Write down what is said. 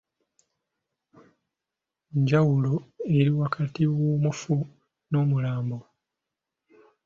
Njawulo eri wakati W’omufu n’Omulambo?